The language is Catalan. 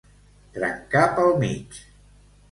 Trencar pel mig.